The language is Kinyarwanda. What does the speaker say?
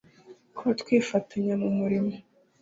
kuba twifatanya mu murimo